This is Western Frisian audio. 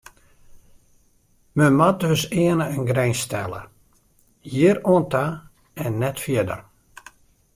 Men moat dus earne in grins stelle: hjir oan ta en net fierder.